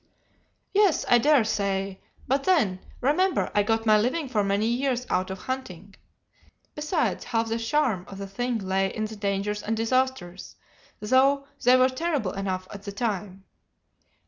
"Yes, I dare say: but then, remember I got my living for many years out of hunting. Besides, half the charm of the thing lay in the dangers and disasters, though they were terrible enough at the time.